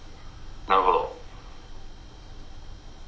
「なるほど」。